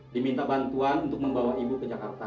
diminta bantuan untuk membawa ibu ke jakarta